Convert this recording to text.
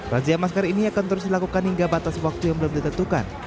razia masker ini akan terus dilakukan hingga batas waktu yang belum ditentukan